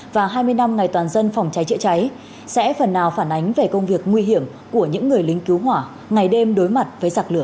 và hai mươi năm ngày toàn dân phòng cháy chữa cháy sẽ phần nào phản ánh về công việc nguy hiểm của những người lính cứu hỏa ngày đêm đối mặt với giặc lửa